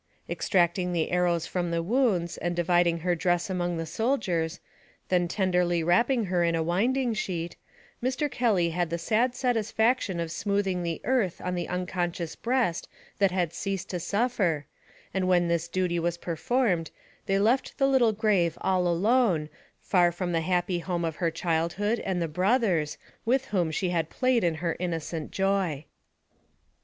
Extracting the arrows from the wounds, and dividing her dress among the soldiers, then tenderly wrapping her in a winding sheet, Mr. Kelly had the sad satisfac tion of smoothing the earth on the unconscious breast that had ceased to suffer, and when this duty was per AMONG THE SIOUX INDIANS. 221 formed, they left the little grave all alone, far from the happy home of her childhood, and the brothers, with whom she had played in her innocent joy.